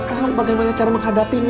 kalian bagaimana cara menghadapinya